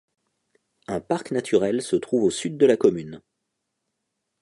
Un parc naturel se trouve au sud de la commune.